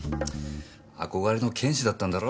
憧れの剣士だったんだろう？